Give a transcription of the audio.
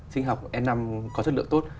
sinh học e năm có chất lượng tốt